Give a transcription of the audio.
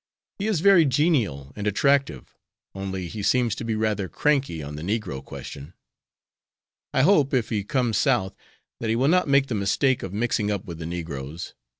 He is very genial and attractive, only he seems to be rather cranky on the negro question. I hope if he comes South that he will not make the mistake of mixing up with the negroes.